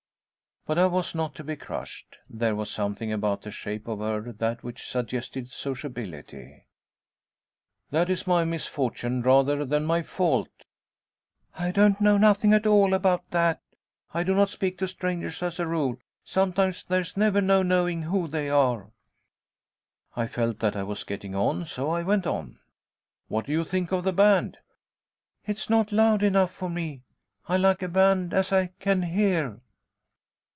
But I was not to be crushed; there was something about the shape of her that which suggested sociability. "That is my misfortune, rather than my fault." "I don't know nothing at all about that. I do not speak to strangers as a rule. Sometimes there's never no knowing who they are." I felt that I was getting on so I went on. "What do you think of the band?" "It's not loud enough for me. I like a band as I can hear."